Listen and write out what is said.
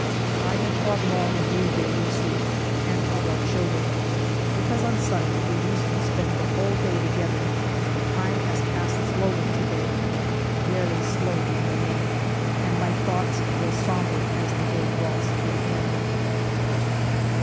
I have thought long of you, dear Lucie, and of our children. Because on Sunday we used to spend the whole day together, the time has passed slowly to day, very slowly, for me, and my thoughts grow sombre as the day draws to an end.